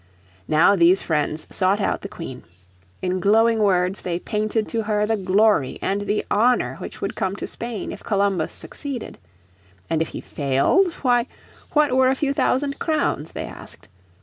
Now these friends sought out the Queen. In glowing words they painted to her the glory and the honour which would come to Spain if Columbus succeeded. And if he failed, why, what were a few thousand crowns, they asked.